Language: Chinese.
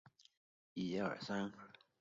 砂蓝刺头为菊科蓝刺头属的植物。